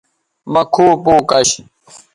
مہ کھوں پوں کش